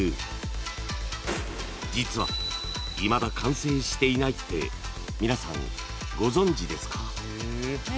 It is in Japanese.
［実はいまだ完成していないって皆さんご存じですか？］